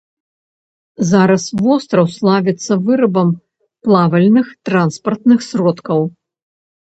Зараз востраў славіцца вырабам плавальных транспартных сродкаў.